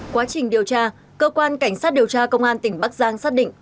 quá trình điều tra cơ quan cảnh sát điều tra công an tỉnh bắc giang